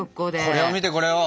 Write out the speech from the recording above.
これを見てこれを。